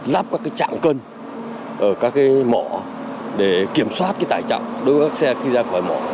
lắp các cái trạng cân ở các cái mỏ để kiểm soát cái tải trọng đối với các xe khi ra khỏi mỏ